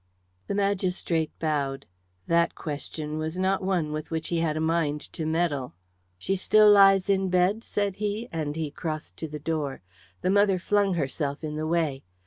The magistrate bowed. That question was not one with which he had a mind to meddle. "She still lies in bed?" said he, and he crossed to the door. The mother flung herself in the way.